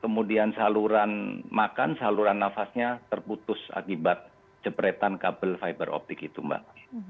kemudian saluran makan saluran nafasnya terputus akibat jepretan kabel fiber optik itu mbak